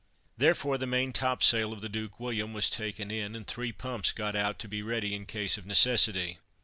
Therefore, the main topsail of the Duke William was taken in, and three pumps got out to be ready in case of necessity.